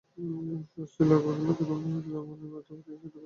শাস্তি উপলক্ষেও তাদের প্রতি লেশমাত্র নির্মমতা তিনি সহ্য করতে পারতেন না।